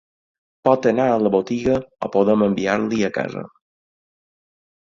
Pot anar a la botiga o podem enviar-li a casa.